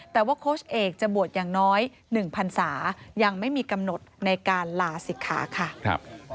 แต่ว่าโค้ชเอกจะบวชอย่างน้อย๑พันศายังไม่มีกำหนดในการลาศิกขาค่ะ